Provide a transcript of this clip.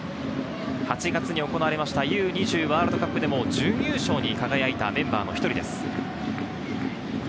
８月に行われたＵ−２０ワールドカップでも準優勝に輝いたメンバーの１人です。